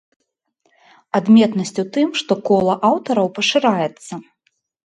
Адметнасць у тым што кола аўтараў пашыраецца.